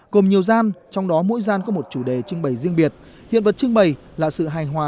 gồm nhiều gian trong đó mỗi gian có một chủ đề trưng bày riêng biệt hiện vật trưng bày là sự hài hòa